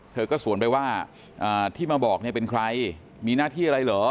เธอก็สวนไปว่าที่มาบอกเนี่ยเป็นใครมีหน้าที่อะไรเหรอ